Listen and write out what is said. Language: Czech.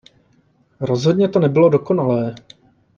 Rozhodně to nebylo dokonalé.